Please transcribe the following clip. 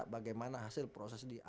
bagaimana hasil proses di